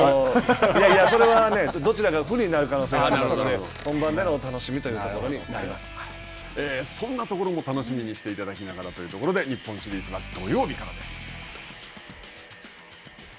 それはね、どちらかが不利になる可能性がありますので本番での楽しみということになりそんなところも楽しみにしていただきながらというところで日本シリーズは土曜日からです。